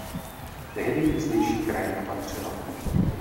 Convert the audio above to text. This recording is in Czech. Tehdy jim zdejší krajina patřila.